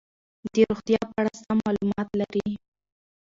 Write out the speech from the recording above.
د روغتیا په اړه سم معلومات لري.